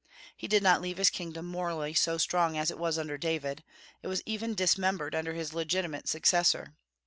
He did not leave his kingdom morally so strong as it was under David; it was even dismembered under his legitimate successor.